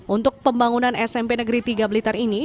untuk pembangunan smp negeri tiga blitar ini